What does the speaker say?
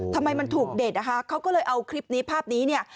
ทำไมมันถูกเด็ดเขาก็เลยเอาคลิปนี้ภาพนี้